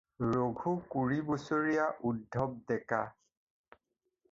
ৰঘু কুৰি বছৰীয়া উদ্ধত ডেকা।